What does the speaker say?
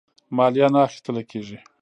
مالیه نه اخیستله کیږي.